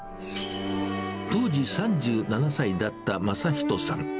当時３７歳だった匡仁さん。